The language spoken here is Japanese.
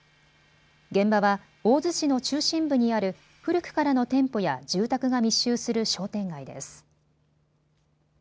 現場は大洲市の中心部にある古くからの店舗や住宅が密集する商店街です。